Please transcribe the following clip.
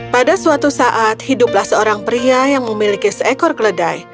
pada suatu saat hiduplah seorang pria yang memiliki seekor keledai